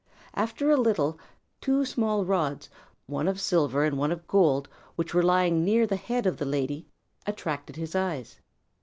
After a little two small rods, one of silver and one of gold, which were lying near the head of the lady, attracted his eyes.